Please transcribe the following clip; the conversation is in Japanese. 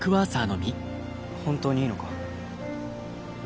本当にいいのか？